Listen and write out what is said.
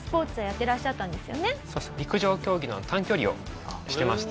陸上競技の短距離をしてまして。